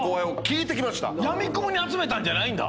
やみくもに集めたんじゃないんだ。